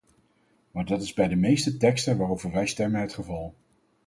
Maar dat is bij de meeste teksten waarover wij stemmen het geval.